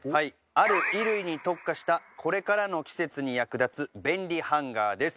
ある衣類に特化したこれからの季節に役立つ便利ハンガーです。